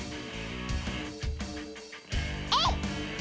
えい！